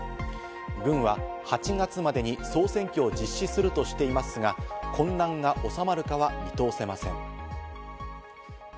軍は８月までに総選挙を実施するとしていますが、混乱が収まるかは見通せません。